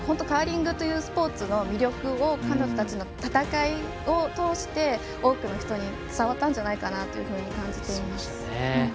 カーリングというスポーツの魅力を彼女たちの戦いを通して多くの人に伝わったんじゃないかと感じています。